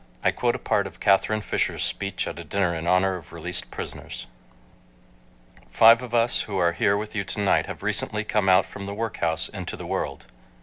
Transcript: I quote a part of Katharine Fisher's speech at a dinner in honor of released prisoners: Five of us who are with you to night have recently come out from the workhouse into the world.